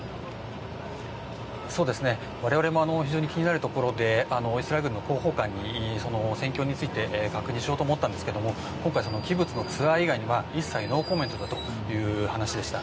我々も非常に気になるところでイスラエル軍の広報官に戦況について確認しようと思ったんですけど今回キブツのツアー以外には一切ノーコメントだという話でした。